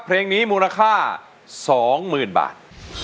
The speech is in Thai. เพลงนี้มูลค่า๒๐๐๐บาท